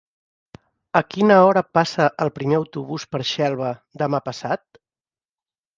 A quina hora passa el primer autobús per Xelva demà passat?